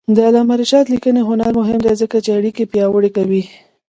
د علامه رشاد لیکنی هنر مهم دی ځکه چې اړیکې پیاوړې کوي.